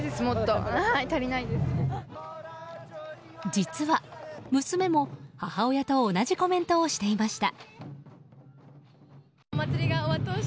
実は娘も、母親と同じコメントをしていました。